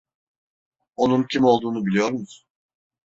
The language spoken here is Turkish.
Onun kim olduğunu biliyor musun?